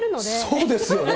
そうですよね。